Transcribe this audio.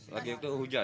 lagi itu hujan